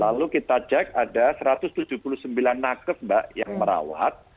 lalu kita cek ada satu ratus tujuh puluh sembilan nakes mbak yang merawat